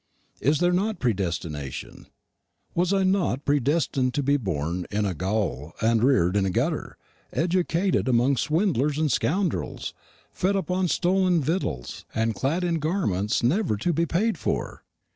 Is there not predestination? Was not I predestined to be born in a gaol and reared in a gutter, educated among swindlers and scoundrels, fed upon stolen victuals, and clad in garments never to be paid for?